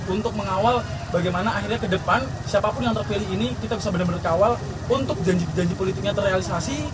untuk mengawal bagaimana akhirnya ke depan siapapun yang terpilih ini kita bisa benar benar kawal untuk janji janji politiknya terrealisasi